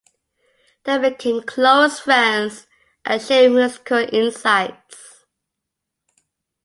They became close friends and shared musical insights.